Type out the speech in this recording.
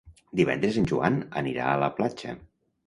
Divendres en Joan anirà a la platja.